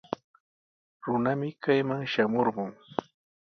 Runami kayman shamurqun.